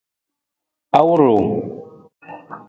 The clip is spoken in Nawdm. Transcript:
Awur ruu?